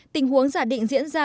tình huống giả định diễn ra